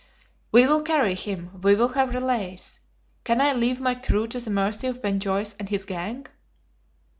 "We will carry him; we will have relays. Can I leave my crew to the mercy of Ben Joyce and his gang?"